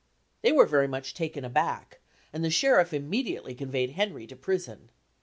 They were very much taken aback and the sheriff immediately conveyed Henry to prison.